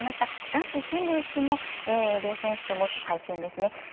男子シングルスも両選手とも敗戦ですね。